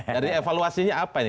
jadi evaluasinya apa ini